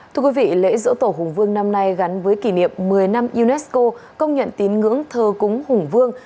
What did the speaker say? thưa quý vị lễ dỗ tổ hùng vương năm nay gắn với kỷ niệm một mươi năm unesco công nhận tín ngưỡng thờ cúng hùng vương